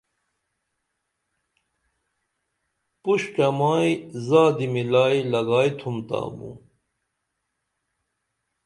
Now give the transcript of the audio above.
پُش ڇمائی زادی ملائی لگائی تُھم تا موں